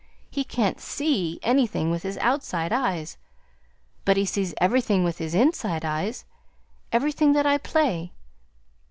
He can't SEE anything with his outside eyes. But he sees everything with his inside eyes everything that I play.